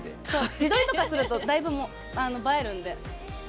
自撮りとかするとだいぶ映えるんで。